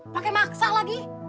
pakai maksa lagi